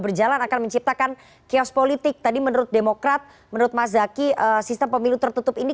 berjalan akan menciptakan chaos politik tadi menurut demokrat menurut mas zaky sistem pemilu tertutup ini